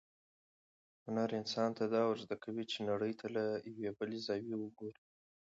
هنر انسان ته دا ورزده کوي چې نړۍ ته له یوې بلې زاویې وګوري.